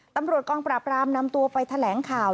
ตำรวจกองปราบรามนำตัวไปแถลงข่าว